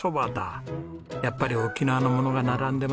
やっぱり沖縄のものが並んでますねえ。